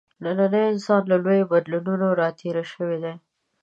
نننی انسان له لویو بدلونونو راتېر شوی دی.